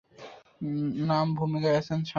নাম ভুমিকায় আছে শাকিব খান।